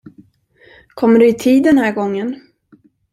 Kommer du i tid den här gången?